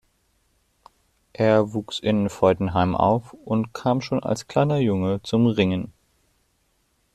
Er wuchs in Feudenheim auf und kam schon als kleiner Junge zum Ringen.